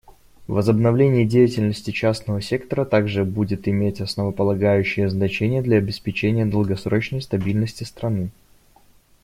Возобновление деятельности частного сектора также будет иметь основополагающее значение для обеспечения долгосрочной стабильности страны.